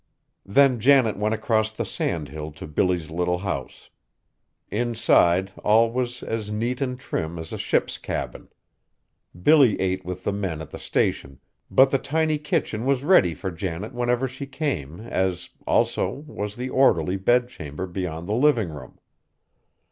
Then Janet went across the sand hill to Billy's little house. Inside all was as neat and trim as a ship's cabin. Billy ate with the men at the Station, but the tiny kitchen was ready for Janet whenever she came as, also, was the orderly bedchamber beyond the living room.